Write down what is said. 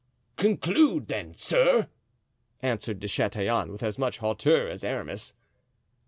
"Conclude, then, sir," answered De Chatillon, with as much hauteur as Aramis.